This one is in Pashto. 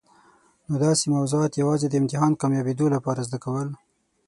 نو داسي موضوعات یوازي د امتحان کامیابېدو لپاره زده کول.